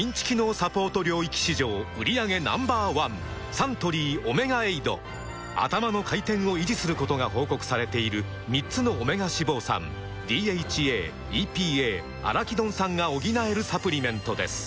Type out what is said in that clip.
サントリー「オメガエイド」「アタマの回転」を維持することが報告されている３つのオメガ脂肪酸ＤＨＡ・ＥＰＡ・アラキドン酸が補えるサプリメントです